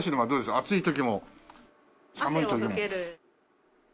暑い時も寒い時も。